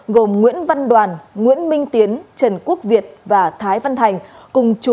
gồm nguyễn văn đoàn nguyễn minh tiến trần quốc việt và thái văn thành